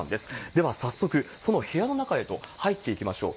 では早速、その部屋の中へと入っていきましょう。